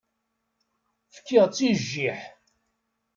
Fkiɣ-tt i jjiḥ.